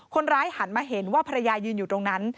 หันมาเห็นว่าภรรยายืนอยู่ตรงนั้น